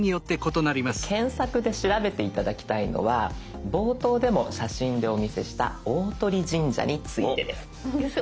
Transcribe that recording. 検索で調べて頂きたいのは冒頭でも写真でお見せした大鳥神社についてです。